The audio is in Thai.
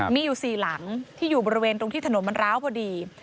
มีอยู่๔หลังที่อยู่บริเวณตรงที่ถนนมันร้าวพอดี